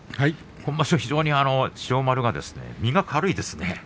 今場所、非常に千代丸が身が軽いですね。